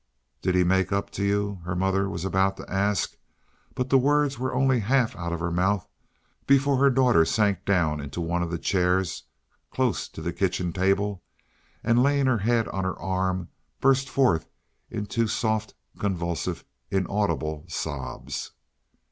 "Did he make up to you?" her mother was about to ask; but the words were only half out of her mouth before her daughter sank down into one of the chairs close to the kitchen table and, laying her head on her arm, burst forth into soft, convulsive, inaudible sobs.